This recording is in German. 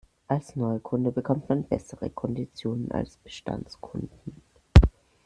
Als Neukunde bekommt man bessere Konditionen als Bestandskunden.